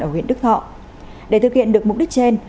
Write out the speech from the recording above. ở huyện đức thọ để thực hiện được mục đích trên